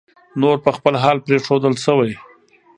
نور پر خپل حال پرېښودل شوی